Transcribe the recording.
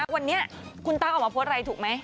วันนี้คุณตั๊กออกมาโพสต์อะไรถูกไหม